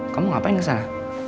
kamu ngapain kesana